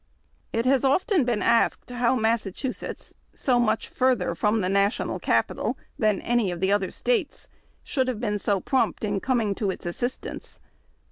It has often been asked how Mas sachusetts, so much farther from the National Capital than any of the other States, should have been so prompt in coining to its assistance.